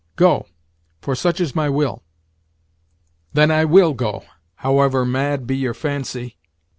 Go, for such is my will." "Then I will go, however mad be your fancy.